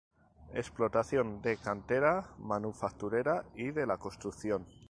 Explotación de cantera, manufacturera y de la construcción.